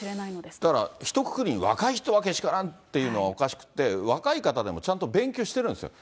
だからひとくくりに若い人はけしからんっていうのはおかしくて、若い方でもちゃんと勉強してるんですよ。